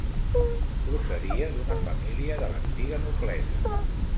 Procedia d'una família de l'antiga noblesa.